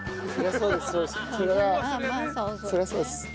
それはそりゃそうです。